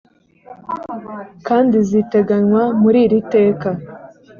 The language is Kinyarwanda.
kandi ziteganywa muri iri teka